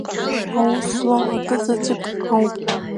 Аус злоу акызаҵәык ауп…